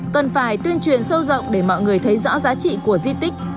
cần phải tuyên truyền sâu rộng để mọi người thấy rõ giá trị của di tích